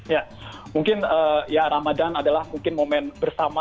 ya mungkin ya ramadan adalah mungkin momen bersama